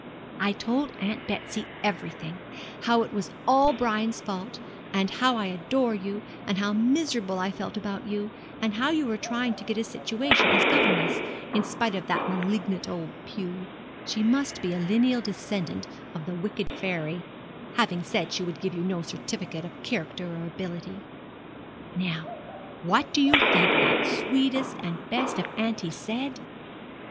I told Aunt Betsy everything how it was all Brian's fault, and how I adore you, and how miserable I felt about you, and how you were trying to get a situation as governess, in spite of that malignant old Pew she must be a lineal descendant of the wicked fairy having said she would give you no certificate of character or ability. 'Now, what do you think that sweetest and best of aunties said?